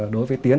đối với tiến